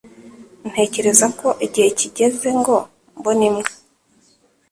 Ntekereza ko igihe kigeze ngo mbone imbwa